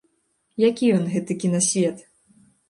Які ён, гэты кінасвет?